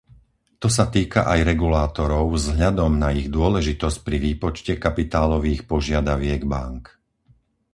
To sa týka aj regulátorov, vzhľadom na ich dôležitosť pri výpočte kapitálových požiadaviek bánk.